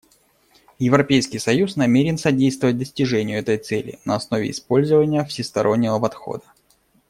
Европейский союз намерен содействовать достижению этой цели на основе использования всестороннего подхода.